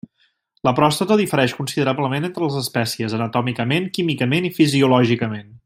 La pròstata difereix considerablement entre les espècies, anatòmicament, químicament i fisiològicament.